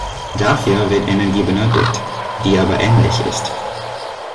Dafür wird Energie benötigt, die aber endlich ist.